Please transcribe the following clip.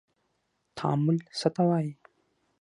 تعامل څه ته وايي.